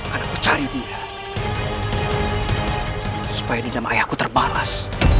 aku cari dia supaya di dalam ayahku terbalas